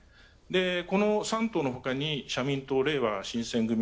この３党のほかに社民党、れいわ新選組。